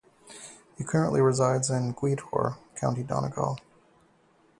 He currently resides in Gweedore, County Donegal.